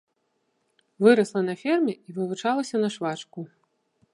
Вырасла на ферме, і вывучылася на швачку.